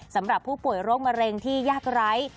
สำหรับผู้ป่วยโรคมะเร็งที่ยากไร้